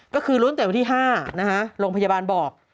ก็คือล้วนแต่วันที่๕นะฮะโรงพยาบาลบอก